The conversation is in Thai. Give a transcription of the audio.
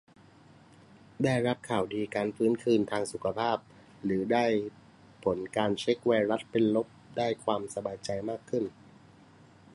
ได้รับข่าวดีการฟื้นคืนดีทางสุขภาพ หรือได้ผลการเช็กไวรัสเป็นลบ ได้ความสบายใจมากขึ้น